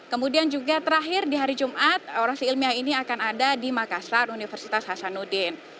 kemudian juga terakhir di hari jumat orasi ilmiah ini akan ada di makassar universitas hasanuddin